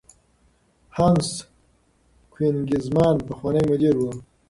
هانس کوېنیګزمان پخوانی مدیر و.